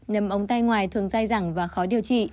nấm ống tay ngoài thường dai rẳng và khó điều trị